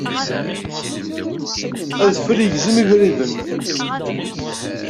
Adfel yegzem ibriden.